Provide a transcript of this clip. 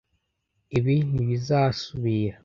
ibi ntibizasubira